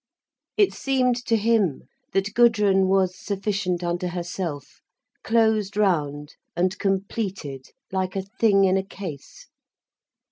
It seemed to him that Gudrun was sufficient unto herself, closed round and completed, like a thing in a case.